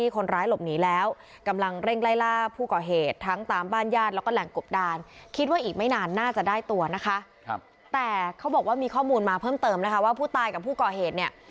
แต่เขาบอกว่ามีข้อมูลมาเพิ่มเติมนะคะว่าผู้ตายกับผู้ก่อเหตุเนี่ย